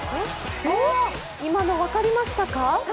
今の分かりましたか？